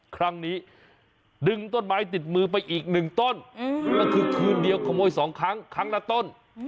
ครั้งนี้ดึงต้นไม้ติดมือไปอีกหนึ่งต้นนั่นคือคืนเดียวขโมยสองครั้งครั้งหน้าต้น